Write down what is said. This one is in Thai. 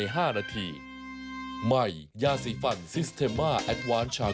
โอ้โฮทำไมรูปคุณนี้มันแน่จริงเลยนะ